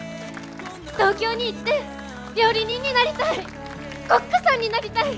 東京に行って料理人になりたい！